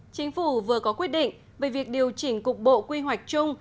chính phủ vừa có quyết định về việc điều chỉnh cục bộ quy hoạch chung